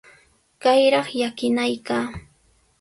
¡Kayraq llakinayqa!